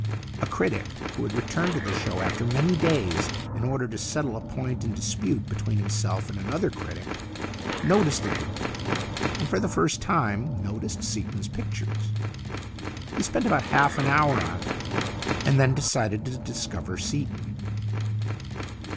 A critic, who had returned to the show after many days, in order to settle a point in dispute between himself and another critic, noticed the group, and for the first time noticed Seaton's pictures. He spent about half an hour on them, and then decided to discover Seaton.